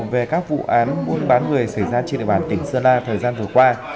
về các vụ án buôn bán người xảy ra trên địa bàn tỉnh sơn la thời gian vừa qua